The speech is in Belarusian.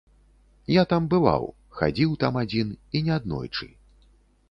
Я там бываў, хадзіў там адзін, і не аднойчы.